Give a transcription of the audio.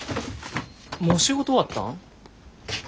もう仕事終わったん？